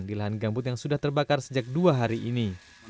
di lahan gambut yang sudah terbakar sejak dua hari ini